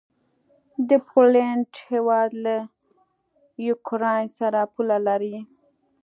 د پولينډ هيواد له یوکراین سره پوله لري.